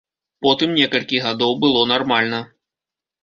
Потым некалькі гадоў было нармальна.